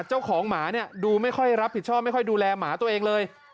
เจ้าของหมาเนี่ยดูไม่ค่อยรับผิดชอบไม่ค่อยดูแลหมาตัวเองเลย